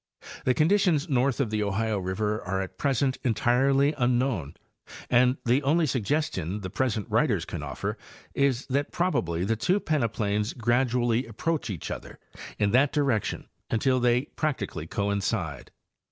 The conditions north of the Ohio river are at present entirely unknown, and the only suggestion the present writers can offer is that probably the two peneplains gradually approach each other in that direction until they practically coincide.